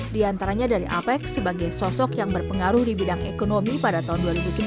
diantaranya dari apec sebagai sosok yang berpengaruh di bidang ekonomi pada tahun dua ribu sebelas